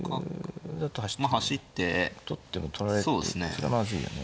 それはまずいんだね。